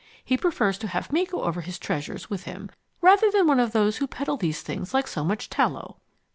He prefers to have me go over his treasures with him, rather than one of those who peddle these things like so much tallow."